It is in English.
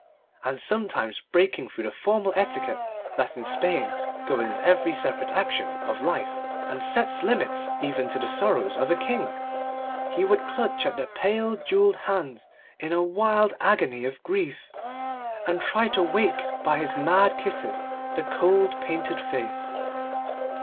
and sometimes breaking through the formal etiquette that in Spain governs every separate action of life, and sets limits even to the sorrow of a King, he would clutch at the pale jewelled hands in a wild agony of grief, and try to wake by his mad kisses the cold painted face.